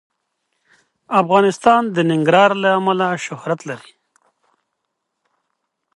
افغانستان د ننګرهار له امله شهرت لري.